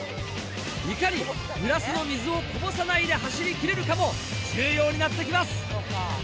いかにグラスの水をこぼさないで走りきれるかも重要になってきます。